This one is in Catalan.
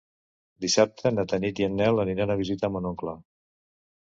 Dissabte na Tanit i en Nel aniran a visitar mon oncle.